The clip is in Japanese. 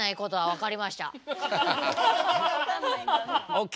ＯＫ。